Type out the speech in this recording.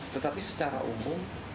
tetapi secara umum